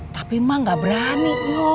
tapi ma ga berani